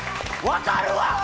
分かるわ！